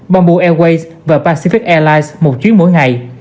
bamboo airways và pacific airlines một chuyến mỗi ngày